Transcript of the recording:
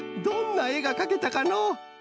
どんなえがかけたかのう？